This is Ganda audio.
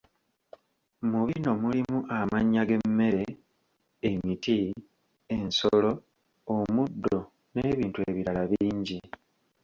Mu bino mulimu amannya g’emmere, emiti, ensolo, omuddo, n’ebintu ebirala bingi.